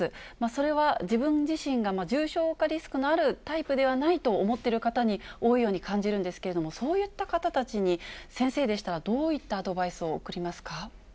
それは、自分自身が重症化リスクのあるタイプではないと思っている方に多いように感じるんですけれども、そういった方たちに、先生でしたら、どういったアドバイスを送りますか。